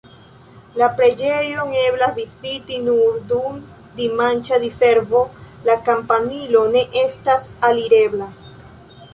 La preĝejon eblas viziti nur dum dimanĉa diservo, la kampanilo ne estas alirebla.